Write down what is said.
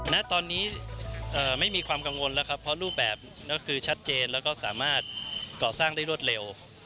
ณตอนนี้ไม่มีความกังวลแล้วครับเพราะรูปแบบก็คือชัดเจนแล้วก็สามารถก่อสร้างได้รวดเร็ว